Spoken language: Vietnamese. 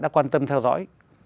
đã quan tâm theo dõi